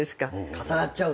重なっちゃうと。